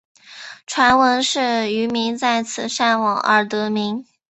传闻是渔民在此晒网而得名。